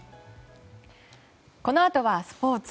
このあとはスポーツ。